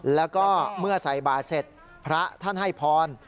แล้วก็เมื่อใส่บาทเสร็จพระท่านให้พร